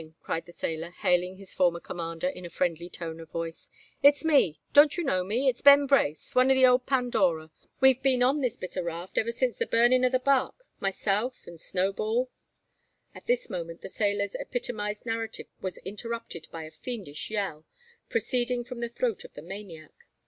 cried the sailor, hailing his former commander in a friendly tone of voice: "it's me! Don't you know me? It's Ben Brace, one o' the old Pandora. We've been on this bit o' raft ever since the burnin' o' the bark. Myself and Snowball " At this moment the sailor's epitomised narrative was interrupted by a fiendish yell, proceeding from the throat of the maniac.